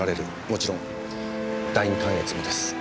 もちろん第二関越もです。